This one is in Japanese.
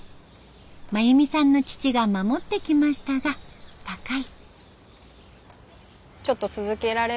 真由美さんの父が守ってきましたが他界。